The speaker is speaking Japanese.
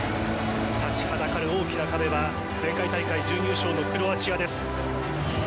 立ちはだかる大きな壁は前回大会準優勝のクロアチアです。